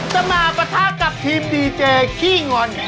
จะมาประทักษ์กับทีมดีเจคี่งอน